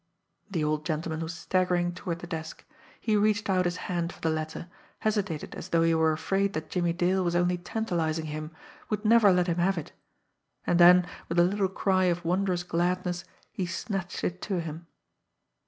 The old gentleman was staggering toward the desk. He reached out his hand for the letter, hesitated as though he were afraid that Jimmie Dale was only tantalising him, would never let him have it and then with a little cry of wondrous gladness, he snatched it to him.